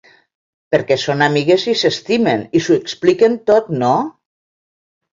Perquè són amigues i s'estimen i s'ho expliquen tot, no?